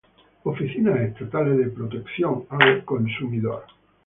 Oficinas estatales de protección al consumidor